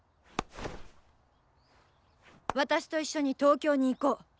私と一緒に東京に行こう。